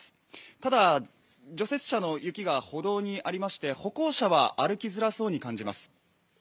ただ除雪車の雪が歩道にありまして歩行者は歩きづらそうに感じます。